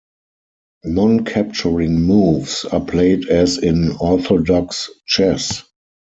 Non-capturing moves are played as in orthodox chess.